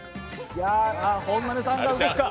本並さんが動くか？